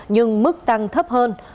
nhưng mức tăng thấp hơn